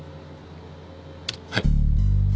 はい。